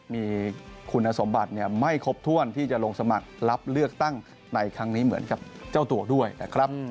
มีคุณสมบัติไม่ครบถ้วนที่จะลงสมัครรับเลือกตั้งในครั้งนี้เหมือนกับเจ้าตัวด้วยนะครับ